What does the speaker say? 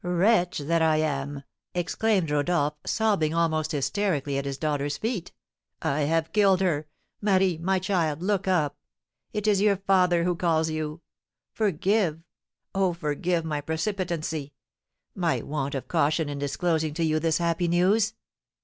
"Wretch that I am!" exclaimed Rodolph, sobbing almost hysterically at his daughter's feet, "I have killed her! Marie, my child, look up! It is your father calls you! Forgive oh, forgive my precipitancy my want of caution in disclosing to you this happy news!